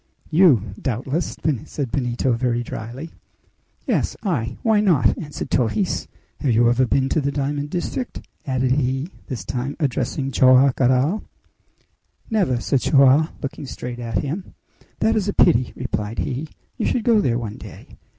"You, doubtless?" said Benito very dryly. "Yes I? Why not?" answered Torres. "Have you ever been to the diamond district?" added he, this time addressing Joam Garral. "Never!" said Joam, looking straight at him. "That is a pity!" replied he. "You should go there one day.